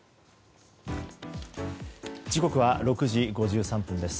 時刻は６時５３分です。